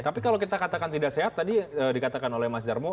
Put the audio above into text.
tapi kalau kita katakan tidak sehat tadi dikatakan oleh mas darmo